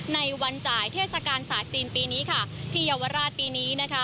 ในวันจ่ายเทศกาลศาสตร์จีนปีนี้ค่ะที่เยาวราชปีนี้นะคะ